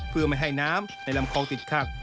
เพื่อไม่ให้น้ำในลำคลองติดขัด